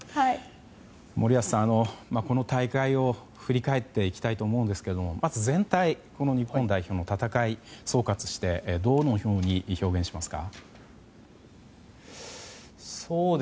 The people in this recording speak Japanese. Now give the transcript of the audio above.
森保さん、この大会を振り返っていきたいと思いますがまず全体日本代表の戦いを総括してどのように表現しますか？